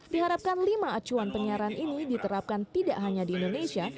diharapkan lima acuan penyiaran ini diterapkan tidak hanya di indonesia